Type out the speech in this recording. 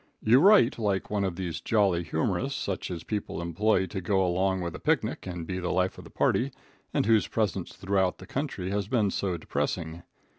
You write like one of these "Joly" humorists such as people employ to go along with a picnic and be the life of the party, and whose presence throughout the country has been so depressing.